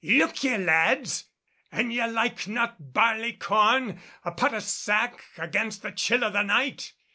"Look ye, lads, an ye like not barleycorn, a pot of sack against the chill of the night!